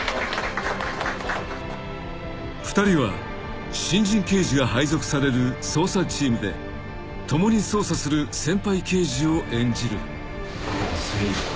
［２人は新人刑事が配属される捜査チームで共に捜査する先輩刑事を演じる］